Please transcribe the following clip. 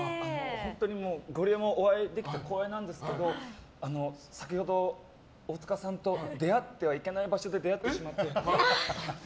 本当にゴリエもお会いできて光栄なんですけど先ほど、大塚さんと出会ってはいけない場所で出会ってしまって。